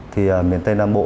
thì miền tây nam bộ